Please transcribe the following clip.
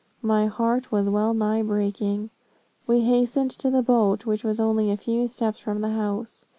My heart was well nigh breaking. "We hastened to the boat, which was only a few steps from the house.